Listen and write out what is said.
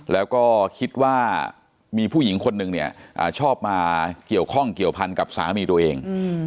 แล้วก็คิดว่ามีผู้หญิงคนหนึ่งเนี่ยชอบมาเกี่ยวข้องเกี่ยวพันกับสามีตัวเอง